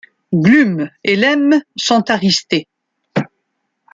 Glumes et lemmes sont aristées.